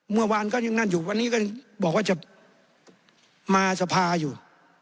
เมื่อวานก็ยังนั่นอยู่วันนี้ก็บอกว่าจะมาสภาอยู่